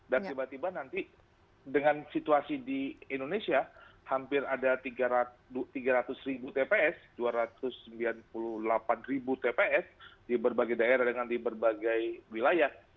dan tiba tiba nanti dengan situasi di indonesia hampir ada tiga ratus tps dua ratus sembilan puluh delapan tps di berbagai daerah dan di berbagai wilayah